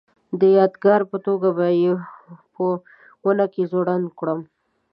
د یادګار په توګه به یې په ونه کې ځوړنده کړم.